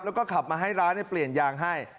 แล้วก็ขับมาให้ร้านเปลี่ยนยางให้